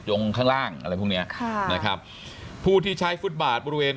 ข้างล่างอะไรพวกเนี้ยค่ะนะครับผู้ที่ใช้ฟุตบาทบริเวณ